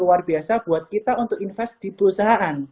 luar biasa buat kita untuk invest di perusahaan